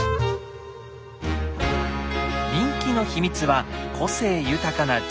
人気の秘密は個性豊かな女優たち。